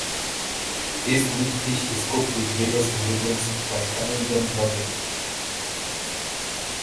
This meat dish is cooked with various ingredients by adding them gradually.